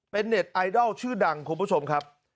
เป็นเน็ตไอดอลชื่อดังคุณผู้ชมครับ